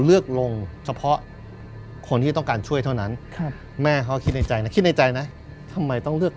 เลือกลงเฉพาะคนที่ต้องการช่วยเท่านั้นครับแม่เขาก็คิดในใจนะคิดในใจนะทำไมต้องเลือก